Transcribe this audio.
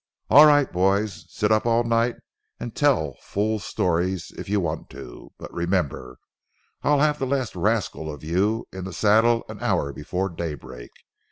"All right, boys, sit up all night and tell fool stories if you want to. But remember, I'll have the last rascal of you in the saddle an hour before daybreak.